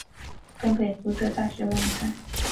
东北福祉大学网站